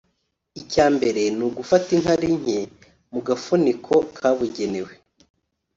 Icya mbere ni ugufata inkari nke mu gafuniko kabugenewe